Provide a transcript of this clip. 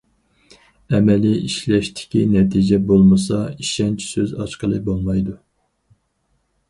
ئەمەلىي ئىشلەشتىكى نەتىجە بولمىسا،‹‹ ئىشەنچ›› سۆز ئاچقىلى بولمايدۇ.